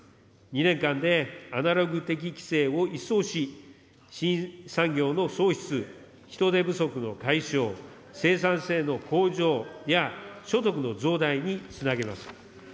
２年間でアナログ的規制を一掃し、新産業の創出、人手不足の解消、生産性の向上や所得の増大につなげます。